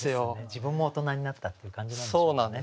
自分も大人になったっていう感じなんでしょうね。